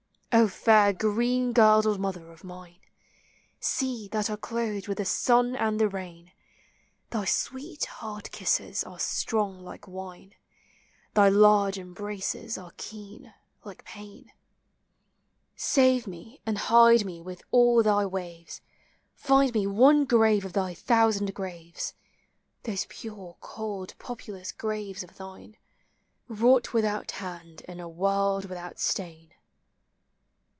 O fair green girdled mother of mine, Sea, that are clothed with the sun and the rain, Thy sweet hard kisses are strong like wine, Thy large embraces are keen like pain. THE SEA. 379 Save me and hide me with all thy waves, Find me one grave of thy thousand graves, Those pure cold populous graves of thine, — Wrought without hand in a world without stain.